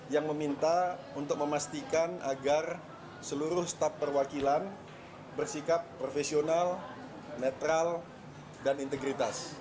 yang meminta untuk memastikan agar seluruh staf perwakilan bersikap profesional netral dan integritas